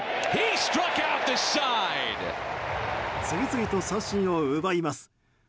次々と三振を奪います。